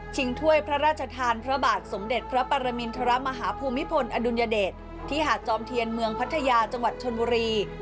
ถ้วยพระราชทานพระบาทสมเด็จพระปรมินทรมาฮภูมิพลอดุลยเดชที่หาดจอมเทียนเมืองพัทยาจังหวัดชนบุรี